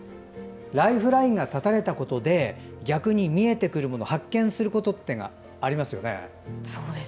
ライフラインが断たれたことで逆に見えてくるもの発見することがありますよね。